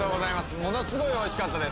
ものすごいおいしかったです